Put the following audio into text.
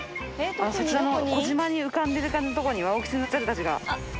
そちらの小島に浮かんでる感じのとこにワオキツネザルたちが。